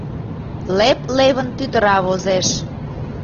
Леп-левын тӱтыра возеш.